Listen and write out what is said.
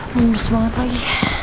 lembus banget lagi